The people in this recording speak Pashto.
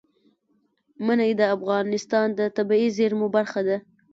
منی د افغانستان د طبیعي زیرمو برخه ده.